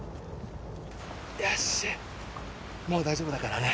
よしもう大丈夫だからね。